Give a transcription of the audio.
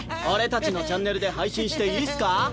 俺たちのチャンネルで配信していいっすか？